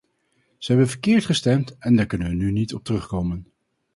Zij hebben verkeerd gestemd en daar kunnen we nu niet op terugkomen.